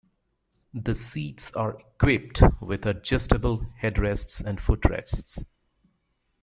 The seats are equipped with adjustable headrests and footrests.